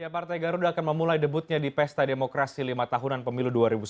partai garuda akan memulai debutnya di pesta demokrasi lima tahunan pemilu dua ribu sembilan belas